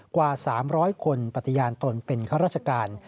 กว่า๓๐๐คนปฏิญาณตนเป็นข้าราชการ